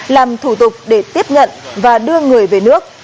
làm thủ tục để tiếp nhận và đưa người về nước